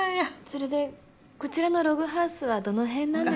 それでこちらのログハウスはどの辺なんでしょうか。